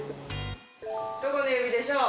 どこの指でしょう？